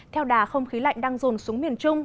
theo đà không khí lạnh đang rồn xuống miền trung